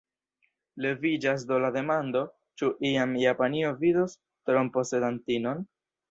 Leviĝas do la demando: ĉu iam Japanio vidos tronposedantinon?